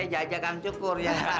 jajakan cukur ya